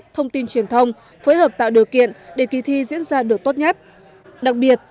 thông tin truyền thông phối hợp tạo điều kiện để kỳ thi diễn ra được tốt nhất đặc biệt